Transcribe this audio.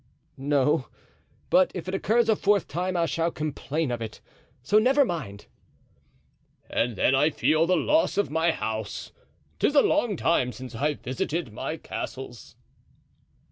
"No; but if it occurs a fourth time I shall complain of it, so never mind." "And then I feel the loss of my house, 'tis a long time since I visited my castles."